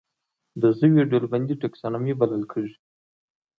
د ژویو ډلبندي ټکسانومي بلل کیږي